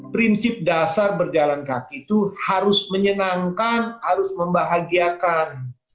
prinsip dasar berjalan kaki itu harus menyenangkan harus membahagiakan